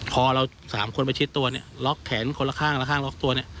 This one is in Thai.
พอเราสามคนไปชิดตัวเนี่ยล็อกแขนคนละข้างละข้างล็อกตัวเนี่ย